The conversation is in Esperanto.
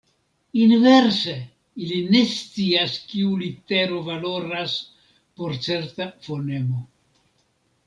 Inverse, ili ne scias, kiu litero valoras por certa fonemo.